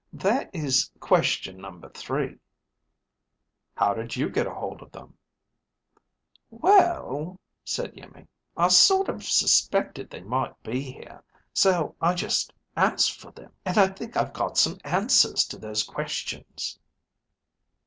"That is question number three." "How did you get a hold of them?" "Well," said Iimmi, "I sort of suspected they might be here. So I just asked for them. And I think I've got some answers to those questions."